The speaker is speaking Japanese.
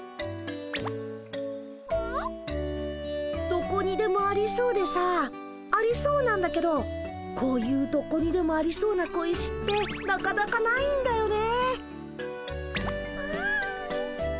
どこにでもありそうでさありそうなんだけどこういうどこにでもありそうな小石ってなかなかないんだよね。